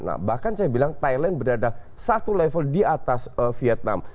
nah bahkan saya bilang thailand berada satu level di atas vietnam